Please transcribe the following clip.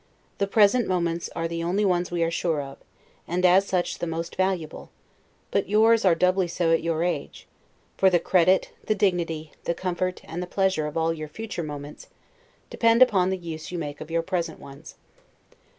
The present moments are the only ones we are sure of, and as such the most valuable; but yours are doubly so at your age; for the credit, the dignity, the comfort, and the pleasure of all your future moments, depend upon the use you make of your present ones.